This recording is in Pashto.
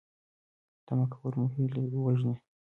تمه کول مو هیلې وژني